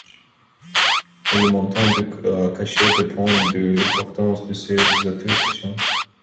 Le montant du cachet dépend de l'importance de ces attributions.